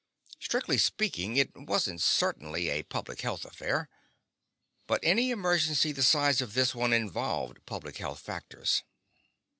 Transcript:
Strictly speaking, it wasn't certainly a public health affair. But any emergency the size of this one involved public health factors.